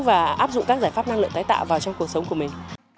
và áp dụng các giải pháp năng lượng tái tạo vào trong cuộc sống của mình